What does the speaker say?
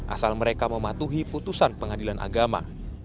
asal mereka mematuhi putusan pengadilan agama